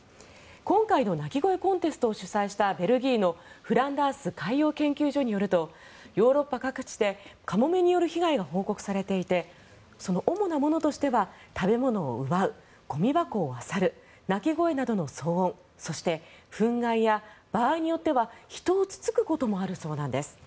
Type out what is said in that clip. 今回の鳴き声コンテストを主催したベルギーのフランダース海洋研究所によるとヨーロッパ各地でカモメによる被害が報告されていてその主なものとしては食べ物を奪うゴミ箱をあさる鳴き声などの騒音そして、フン害や人をつつくこともあるそうなんです。